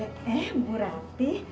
eh bu rati